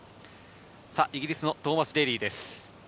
イギリスのトーマス・デーリーです。